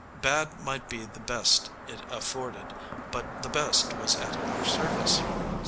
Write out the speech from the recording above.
Bad might be the best it afforded, but the best was at our service.